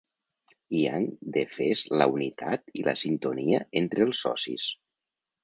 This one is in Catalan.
I han defès la “unitat” i la “sintonia” entre els socis.